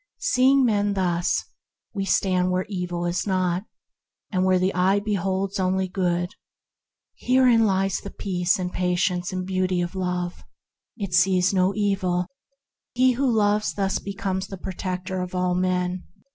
Seeing men thus, we stand where evil is not, and where the eye beholds only good. Herein lies the peace and patience and beauty of Love: it sees no evil. He who loves thus becomes the protector of all men.